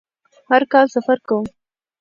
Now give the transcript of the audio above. هر کال سفر کوم